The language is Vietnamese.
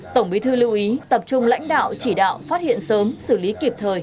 tổng bí thư lưu ý tập trung lãnh đạo chỉ đạo phát hiện sớm xử lý kịp thời